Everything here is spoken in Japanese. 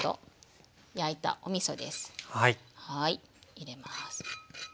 入れます。